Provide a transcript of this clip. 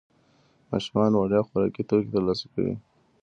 ماشومان وړیا خوراکي توکي ترلاسه کوي.